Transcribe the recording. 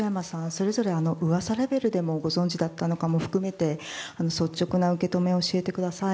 それぞれ噂レベルでもご存じだったのかも含めて率直な受け止めを教えてください。